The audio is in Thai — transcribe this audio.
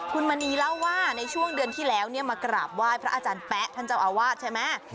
คุณมณีเล่าว่าในช่วงเดือนที่แล้วมากราบไหว้พระอาจารย์แป๊ะท่านเจ้าอาวาสใช่ไหม